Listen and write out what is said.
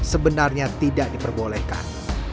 sebenarnya tidak diperbolehkan